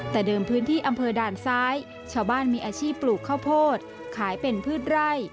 แต่เดิมพื้นที่อำเภอด่านซ้ายชาวบ้านมีอาชีพปลูกข้าวโพดขายเป็นพืชไร่